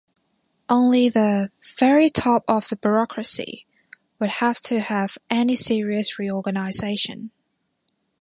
Only the "very top of the bureaucracy" would have to have any serious reorganization.